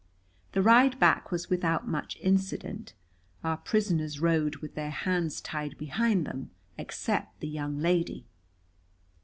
The ride back was without much incident. Our prisoners rode with their hands tied behind them, except the young lady.